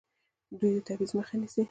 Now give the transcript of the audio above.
دوی د تبعیض مخه نیسي.